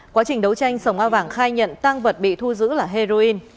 quá trình đấu tranh sông a vảng khai nhận tăng vật bị thu giữ là heroin